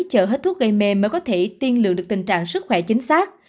chở hết thuốc gây mềm mới có thể tiên lượng được tình trạng sức khỏe chính xác